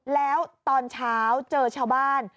แล้วตอนเช้าเจอชาวบ้าน